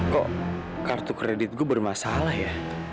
kok kartu kredit gue bermasalah ya